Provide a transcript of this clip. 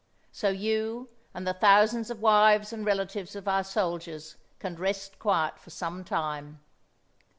So you, and the thousands of wives and relatives of our soldiers, can rest quiet for some time.